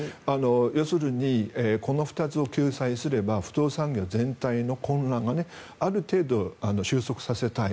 要するにこの２つを救済すれば不動産業全体の混乱をある程度、収束させたい。